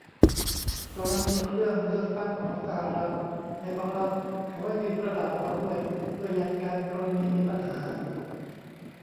กรณีเครื่องเลือกตั้งของสหรัฐ ในบางรัฐ เขาให้พิมพ์กระดาษออกมาด้วย เพื่อยันกัน กรณีมีปัญหา